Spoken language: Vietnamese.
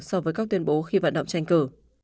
so với các tuyên bố khi vận động tranh cử